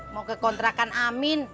mau ke kontrakan amin